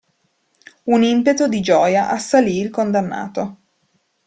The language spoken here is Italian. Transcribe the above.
Un impeto di gioia assalì il condannato.